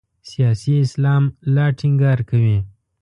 سیاسي اسلام لا ټینګار کوي.